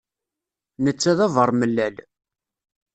Netta d abermellal.